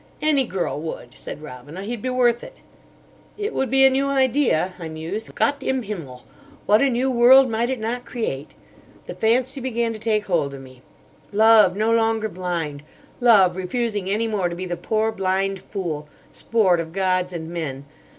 "Any girl would," said Robina. "He'd be worth it." "It would be a new idea," I mused. "Gott im Himmel! what a new world might it not create!" The fancy began to take hold of me. "Love no longer blind. Love refusing any more to be the poor blind fool—sport of gods and men.